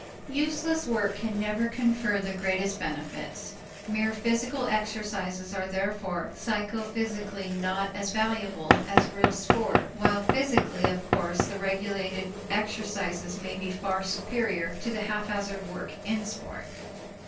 Useless work can never confer the greatest benefits; mere physical exercises are therefore psychophysically not as valuable as real sport while physically, of course, the regulated exercises may be far superior to the haphazard work in sport.